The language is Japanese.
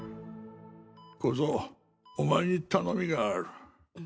小僧お前に頼みがある。